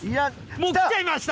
もうきちゃいました！